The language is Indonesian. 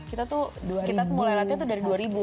kita tuh kita mulai latihan tuh dari dua ribu